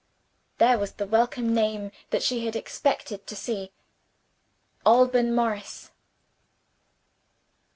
There was the welcome name that she had expected to see Alban Morris.